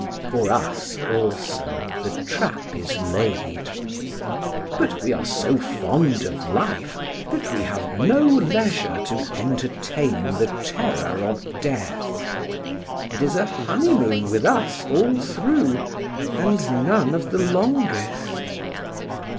For us also the trap is laid. But we are so fond of life that we have no leisure to entertain the terror of death. It is a honeymoon with us all through, and none of the longest.